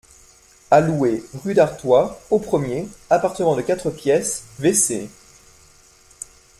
A louer, rue d'Artois, au premier, appartement de quatre pièces, W.-C.